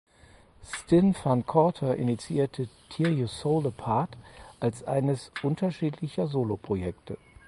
Stijn van Cauter initiierte Tear Your Soul Apart als eines unterschiedlicher Soloprojekte.